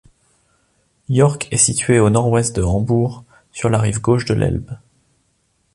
Jork est située au nord-ouest de Hambourg, sur la rive gauche de l'Elbe.